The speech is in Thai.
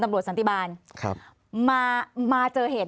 ตำรวจสันติบาลมาเจอเหตุ